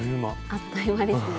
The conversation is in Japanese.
あっという間ですね。